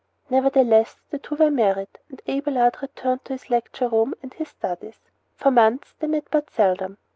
Nevertheless, the two were married, and Abelard returned to his lecture room and to his studies. For months they met but seldom.